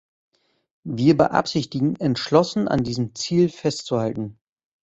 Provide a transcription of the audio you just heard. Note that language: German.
Wir beabsichtigen, entschlossen an diesem Ziel festzuhalten.